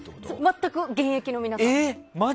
全く現役の皆さんも。